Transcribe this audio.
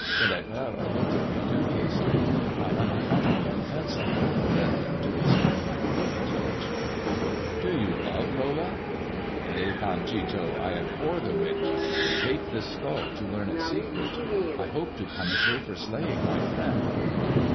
The lepero looked at me dubiously. My unaccountable defence of Lola led him to mistake my feelings towards her. ." Do you love Lola 1 " "Nay, Panchito; I abhor the witch. I take this skull to learn its secret. I hope to punish her for slaying my friend."